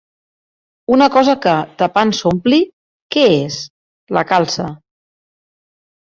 Una cosa que, tapant, s’ompli. Què és?: la calça.